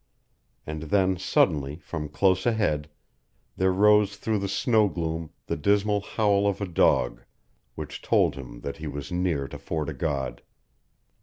And then suddenly, from close ahead, there rose through the snow gloom the dismal howl of a dog, which told him that he was near to Fort o' God.